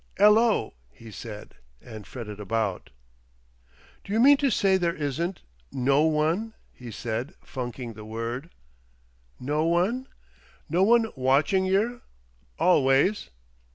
"'Ello," he said, and fretted about. "D'you mean to say there isn't—no one," he said, funking the word. "No one?" "No one watching yer—always."